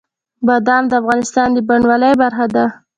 بادام د افغانستان د بڼوالۍ برخه ده.